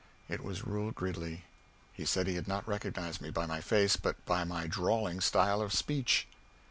It was Reuel Gridley. He said he had not recognized me by my face but by my drawling style of speech.